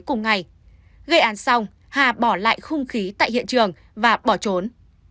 cùng ngày gây án xong hà bỏ lại khung khí tại hiện trường và bỏ trốn